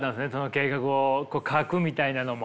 計画を書くみたいなのも。